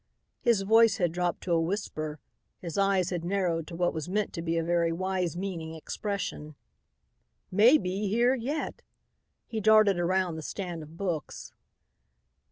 His voice had dropped to a whisper; his eyes had narrowed to what was meant to be a very wise meaning expression. "May be here yet." He darted around the stand of books.